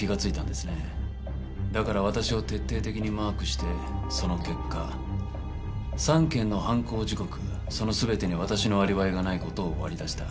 だから私を徹底的にマークしてその結果３件の犯行時刻その全てに私のアリバイがない事を割り出した。